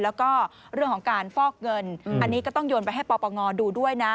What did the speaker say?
แล้วก็เรื่องของการฟอกเงินอันนี้ก็ต้องโยนไปให้ปปงดูด้วยนะ